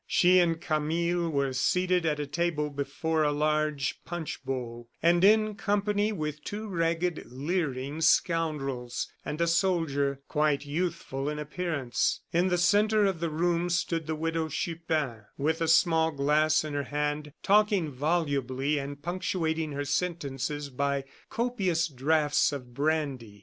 She and Camille were seated at a table before a large punch bowl, and in company with two ragged, leering scoundrels, and a soldier, quite youthful in appearance. In the centre of the room stood the Widow Chupin, with a small glass in her hand, talking volubly and punctuating her sentences by copious draughts of brandy.